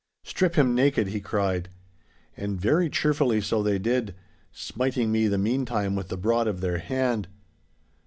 'Strip him naked!' he cried. And very cheerfully so they did, smiting me the meantime with the broad of their hand.